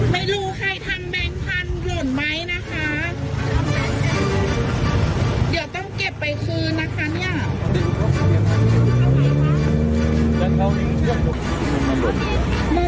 ไม่รู้ใครทำแบงค์พันธุ์หล่นไหมนะคะ